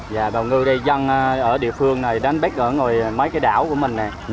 dạ bào ngư đây dân ở địa phương này đánh bích ở mấy cái đảo của mình này